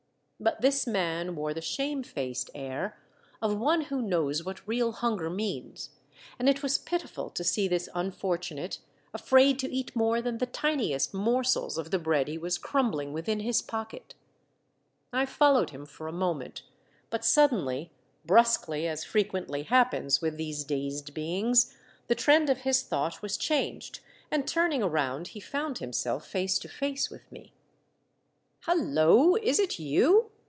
But this man wore the shamefaced air of one who knows what real hunger means, and it was pitiful to see this unfortunate afraid to eat more than the tiniest morsels of the bread he was crumbling within his pocket. I followed him for a moment, but sud denly, brusquely, as frequently happens with these dazed beings, the trend of his thought was changed, and turning around, he found himself face to face with me. " Holloa, is it you